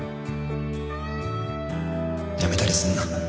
辞めたりすんな